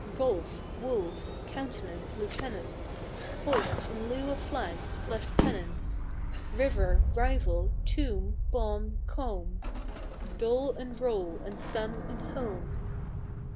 Golf, wolf; countenance; lieutenants Hoist, in lieu of flags, left pennants. River, rival; tomb, bomb, comb; Doll and roll and some and home.